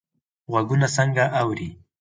غوږونه څنګه اوري؟